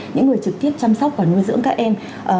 những người trực tiếp chăm sóc và nuôi dưỡng các em